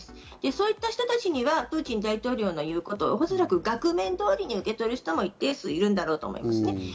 そういった人たちにはプーチン大統領の言うこと、額面通りに受け取る人も一定数いると思うんです。